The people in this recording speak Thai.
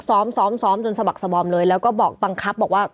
ซ้อมซ้อมจนสะบักสบอมเลยแล้วก็บอกบังคับบอกว่า